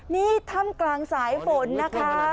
นี่ถ้ำกลางสายฝนนะคะ